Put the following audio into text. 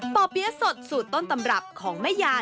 ่อเปี๊ยะสดสูตรต้นตำรับของแม่ยา